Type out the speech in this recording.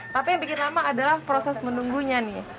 tapi yang bikin lama adalah proses menunggunya nih